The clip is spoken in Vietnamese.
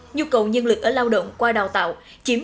nhu cầu nhân lực ở lao động qua đào tạo chiếm tám